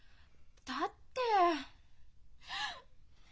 だって。